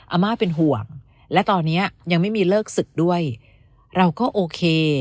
อาม่าเป็นห่วงและตอนนี้ยังไม่มีเลิกศึกด้วยเราก็โอเค